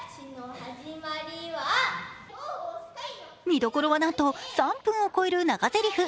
見どころはなんと３分を超える長ぜりふ